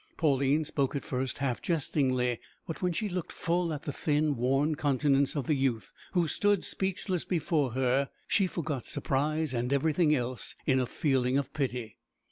Pauline spoke at first half jestingly, but when she looked full at the thin, worn countenance of the youth who stood speechless before her, she forgot surprise and everything else in a feeling of pity.